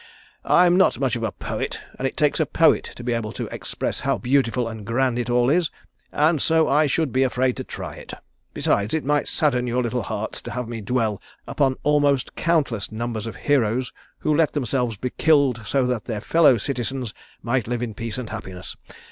I'm not much of a poet and it takes a poet to be able to express how beautiful and grand it all is, and so I should be afraid to try it. Besides it might sadden your little hearts to have me dwell upon the almost countless number of heroes who let themselves be killed so that their fellow citizens might live in peace and happiness.